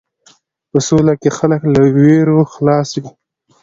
په سوله کې خلک له وېرو خلاص وي.